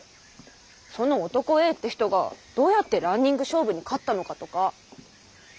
その「男Ａ」って人がどうやってランニング勝負に勝ったのかとか。